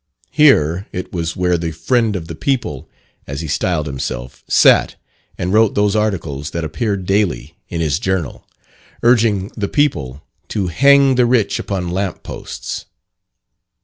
Here it was where the "Friend of the People" (as he styled himself,) sat and wrote those articles that appeared daily in his journal, urging the people to "hang the rich upon lamp posts."